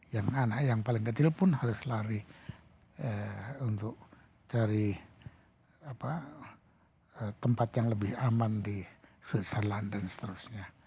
yang anak yang paling kecil pun harus lari untuk cari tempat yang lebih aman di susaran dan seterusnya